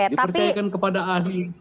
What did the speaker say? dipercayakan kepada ahli